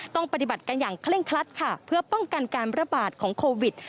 ต้องปฏิบัติกันอย่างเคร่งครัดค่ะเพื่อป้องกันการระบาดของโควิด